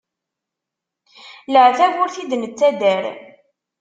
Leɛtab ur t-id-nettader.